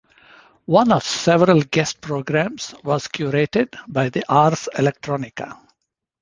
One of several guest programs was curated by the Ars Electronica.